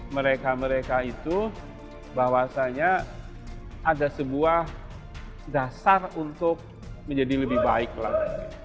mereka mereka itu bahwasanya ada sebuah dasar untuk menjadi lebih baik lah